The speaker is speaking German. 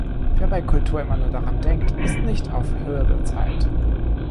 Wer bei Kultur immer nur daran denkt, ist nicht auf Höhe der Zeit.